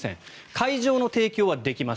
会場の提供はできます